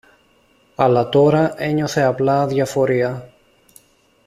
αλλά τώρα ένιωθε απλά αδιαφορία